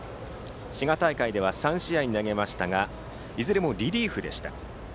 滋賀大会では３試合に投げましたがいずれもリリーフでした。